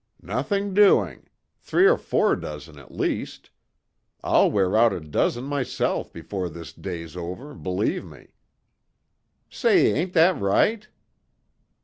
"Nothing doing. Three or four dozen at least. I'll wear out a dozen myself before this day's over, believe me." "Say, ain't that right!"